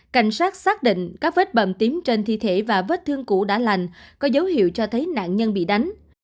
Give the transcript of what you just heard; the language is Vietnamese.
cảnh sát xác định các vết bầm tím trên thi thể và vết thương cũ đã lành có dấu hiệu cho thấy nạn nhân bị đánh